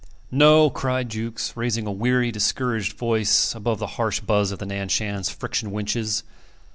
"No," cried Jukes, raising a weary, discouraged voice above the harsh buzz of the Nan Shan's friction winches.